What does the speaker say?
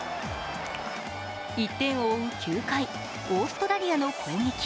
１点を追う９回、オーストラリアの攻撃。